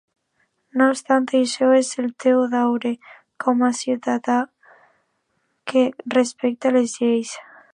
No obstant això, és el teu deure, com a ciutadà que respecta les lleis.